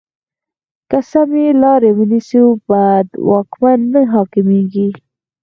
که سمې لارې ونیسو، بد واکمن نه حاکمېږي.